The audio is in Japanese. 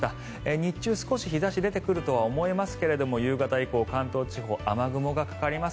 日中、少し日差し出てくるとは思いますが夕方以降、関東地方雨雲がかかります。